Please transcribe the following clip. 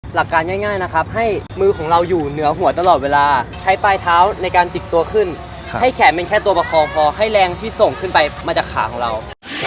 หลักการง่ายนะครับให้มือของเราอยู่เหนือหัวตลอดเวลาใช้ปลายเท้าในการจิกตัวขึ้นให้แขนเป็นแค่ตัวประคองพอให้แรงที่ส่งขึ้นไปมาจากขาของเรา